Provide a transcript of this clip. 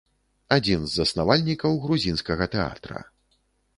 Адзін з заснавальнікаў грузінскага тэатра.